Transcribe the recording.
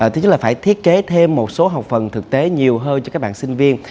thứ nhất là phải thiết kế thêm một số học phần thực tế nhiều hơn cho các bạn sinh viên